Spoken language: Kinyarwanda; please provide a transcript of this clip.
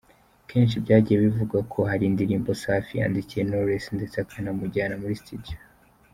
Kenshi byagiye bivugwa ko hari indirimbo Safi yandikiye Knowless ndetse akanamujyana muri Studio.